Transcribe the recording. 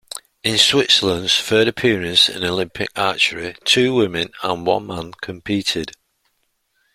In Switzerland's third appearance in Olympic archery, two women and one man competed.